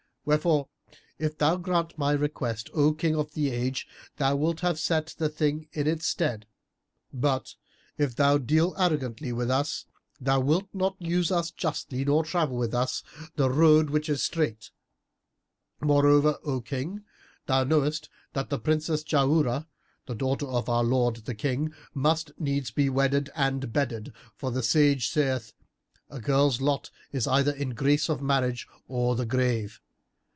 Wherefore, if thou grant my request, O King of the Age, thou wilt have set the thing in its stead; but, if thou deal arrogantly with us, thou wilt not use us justly nor travel with us the 'road which is straight'.[FN#326] Moreover, O King, thou knowest that the Princess Jauharah, the daughter of our lord the King must needs be wedded and bedded, for the sage saith, a girl's lot is either grace of marriage or the grave.